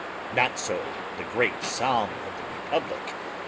Not so the great psalm of the republic.